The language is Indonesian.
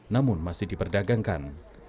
namun masih diperdagangkan